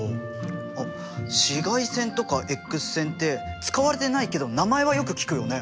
あっ紫外線とかＸ線って使われてないけど名前はよく聞くよね。